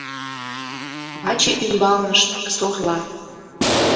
Ваче ӱмбалнышт — сорла.